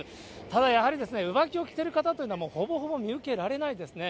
ただ、やはり、上着を着てる方というのは、ほぼほぼ見受けられないですね。